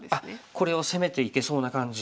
これを攻めていけそうな感じ。